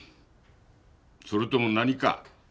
それとも何か？